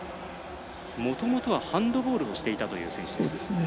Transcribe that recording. もともとはハンドボールをしていたという選手です。